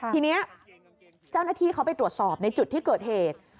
ทีนี้เจ้าหน้าที่เขาไปตรวจสอบในจุดที่เกิดเหตุ